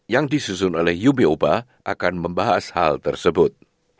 yang disusun oleh ube oba akan membahas hal tersebut